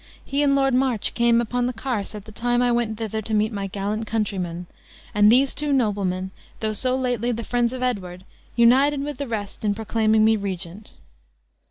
He and Lord March came upon the carse at the time I went thither to meet my gallant countrymen; and these two noblemen, though so lately the friends of Edward, united with the rest in proclaiming me regent."